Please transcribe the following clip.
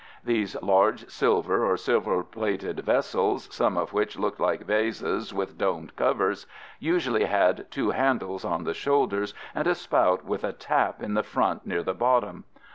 These large silver or silver plated vessels, some of which looked like vases with domed covers, usually had two handles on the shoulders and a spout with a tap in the front near the bottom.